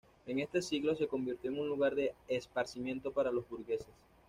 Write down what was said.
En este siglo se convirtió en un lugar de esparcimiento para los burgueses.